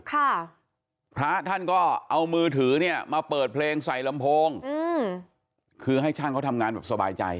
พระท่านก็เอามือถือเนี่ยมาเปิดเพลงใส่ลำโพงอืมคือให้ช่างเขาทำงานแบบสบายใจ